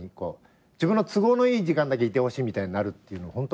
自分の都合のいい時間だけいてほしいみたいになるっていうのホント？